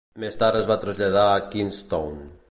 Més tard es va traslladar a Queenstown.